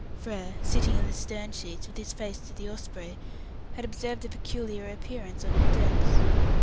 Frere, sitting in the stern sheets, with his face to the Osprey, had observed a peculiar appearance on her decks.